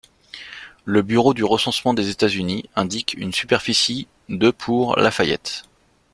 Le Bureau du recensement des États-Unis indique une superficie de pour Lafayette.